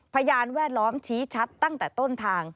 พยานแวดล้อมชี้ชัดตั้งแต่ต้นทาง